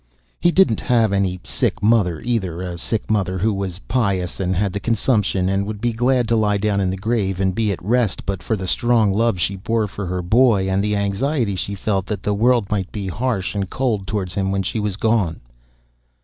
He didn't have any sick mother, either a sick mother who was pious and had the consumption, and would be glad to lie down in the grave and be at rest but for the strong love she bore her boy, and the anxiety she felt that the world might be harsh and cold toward him when she was gone.